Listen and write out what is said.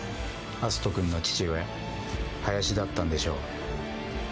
篤斗君の父親、林だったんでしょ？